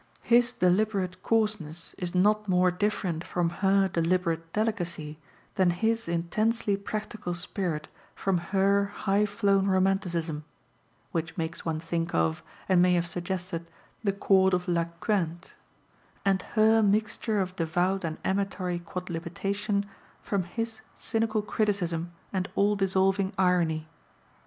His deliberate coarseness is not more different from her deliberate delicacy than his intensely practical spirit from her high flown romanticism (which makes one think of, and may have suggested, the Court of La Quinte), and her mixture of devout and amatory quodlibetation from his cynical criticism and all dissolving irony.